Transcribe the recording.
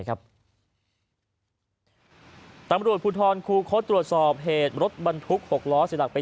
ต้านบริวาร์ดภูทธรณ์คูทลดตรวจสอบเหตุรถบรรทุก๖ร้อเสียหลักไป